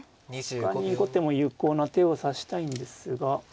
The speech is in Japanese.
ほかに後手も有効な手を指したいんですが。